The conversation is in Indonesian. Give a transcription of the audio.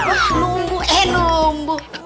wah nunggu eh nunggu